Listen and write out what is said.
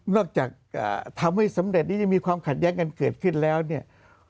จากทำให้สำเร็จนี้ยังมีความขัดแย้งกันเกิดขึ้นแล้วเนี่ย